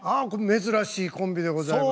珍しいコンビでございます。